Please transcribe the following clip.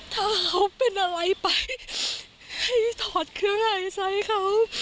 ถ้าเขาเป็นอะไรไปให้ถอดเครื่องในใส่เขา